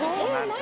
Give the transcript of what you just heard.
何？